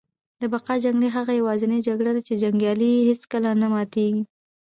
د بقا جګړه هغه یوازینۍ جګړه ده چي جنګیالی یې هیڅکله نه ماتیږي